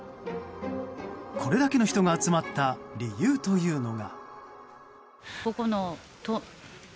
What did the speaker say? これだけの人が集まった理由というのが。